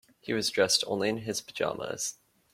He was dressed only in his pajamas.